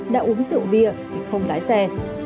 đã uống rượu bia thì không lái xe